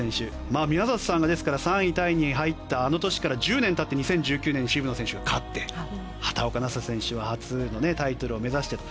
宮里さんが３位タイに入ったあの年から１０年経って２０１９年で渋野選手が勝って畑岡奈紗選手もタイトルを目指してと。